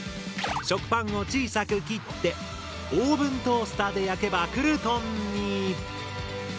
食パンを小さく切ってオーブントースターで焼けばクルトンに。